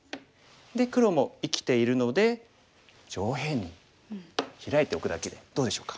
で黒も生きているので上辺にヒラいておくだけでどうでしょうか。